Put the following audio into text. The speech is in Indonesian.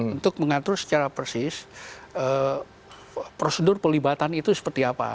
untuk mengatur secara persis prosedur pelibatan itu seperti apa